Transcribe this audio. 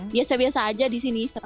biasa biasa saja di sini secara